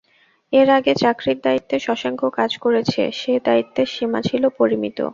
এর আগে চাকরির দায়িত্বে শশাঙ্ক কাজ করেছে, সে দায়িত্বের সীমা ছিল পরিমিত।